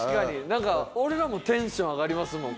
なんか俺らもテンション上がりますもん